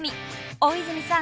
大泉さん